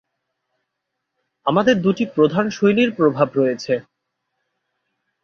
আমাদের দুটি প্রধান শৈলীর প্রভাব রয়েছে।